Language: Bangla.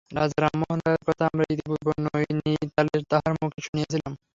রাজা রামমোহন রায়ের কথা আমরা ইতঃপূর্বেই নৈনীতালে তাঁহার মুখে শুনিয়াছিলাম।